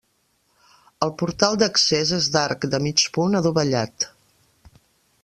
El portal d'accés és d'arc de mig punt adovellat.